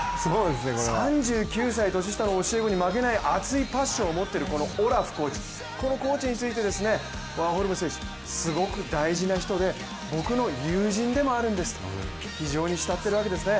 ３９歳年下の選手にも負けない熱い魂を持っているこのオラフコーチについて、ワーホルム選手、すごく大事な人で、僕の友人でもあるんですと非常に慕ってるわけですね。